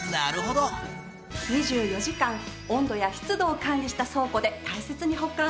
２４時間温度や湿度を管理した倉庫で大切に保管。